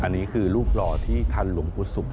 อันนี้คือรูปหล่อที่ทันหลวงกุศุก